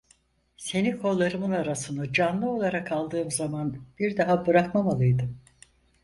Seni kollarımın arasına canlı olarak aldığım zaman bir daha bırakmamalıydım.